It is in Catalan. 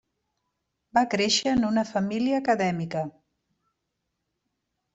Va créixer en una família acadèmica.